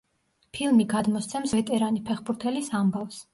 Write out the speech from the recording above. ფილმი გადმოსცემს ვეტერანი ფეხბურთელის ამბავს.